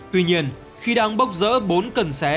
tuy nhiên khi đang bốc rỡ bốn cần xé